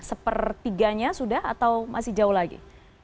sepertiganya sudah atau masih jauh lagi